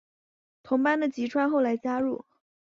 同班的吉川后来加入。